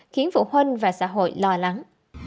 khiến phụ huynh và xã hội lo lắng